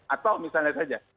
atau misalnya saja